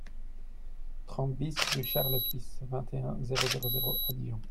trente BIS rue Charles Suisse, vingt et un, zéro zéro zéro à Dijon